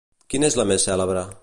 Quina és la més cèlebre?